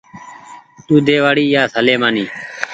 ۮودي وآڙي يا سليمآني